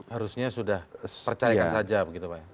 harusnya sudah percayakan saja begitu pak ya